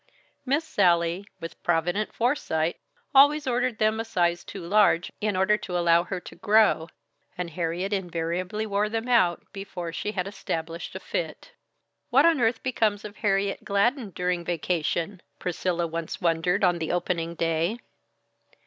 Miss Sallie, with provident foresight, always ordered them a size too large in order to allow her to grow and Harriet invariably wore them out, before she had established a fit. "What on earth becomes of Harriet Gladden during vacation?" Priscilla once wondered on the opening day.